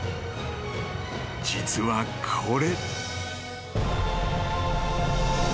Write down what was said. ［実はこれ］